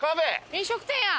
飲食店や！